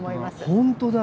本当だ。